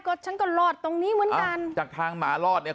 ก็ฉันก็รอดตรงนี้เหมือนกันจากทางหมารอดเนี่ย